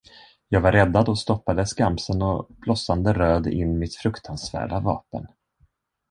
Jag var räddad och stoppade skamsen och blossande röd in mitt fruktansvärda vapen.